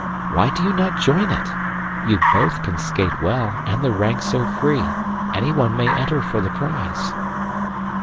Why do you not join it? You both can skate well, and the ranks are free. Anyone may enter for the prize."